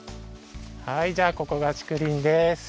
はいじゃあここがちくりんです。